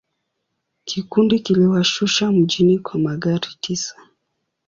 Kikundi kiliwashusha mjini kwa magari tisa.